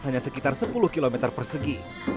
hanya sekitar sepuluh km persegi